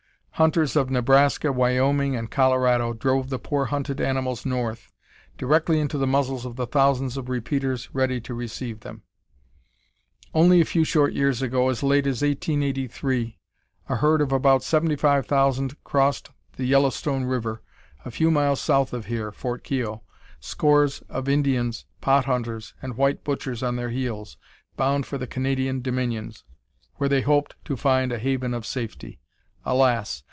Hunters of Nebraska, Wyoming, and Colorado drove the poor hunted animals north, directly into the muzzles of the thousands of repeaters ready to receive them. Only a few short years ago, as late as 1883, a herd of about seventy five thousand crossed the Yellowstone River a few miles south of here [Fort Keogh], scores of Indians, pot hunters, and white butchers on their heels, bound for the Canadian dominions, where they hoped to find a haven of safety. Alas!